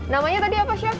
namanya tadi apa chef